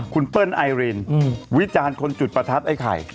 คุณเปิ้ลไอรินวิจารณ์คนจุดประทัดไอ้ไข่